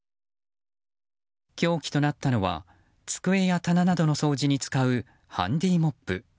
凶器となったのは机や棚の掃除などに使うハンディーモップ。